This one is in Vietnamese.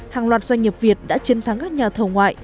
hàng loạt doanh nghiệp việt đã chiến thắng các nhà thầu ngoại